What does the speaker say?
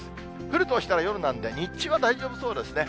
降るとしたら夜なんで、日中は大丈夫そうですね。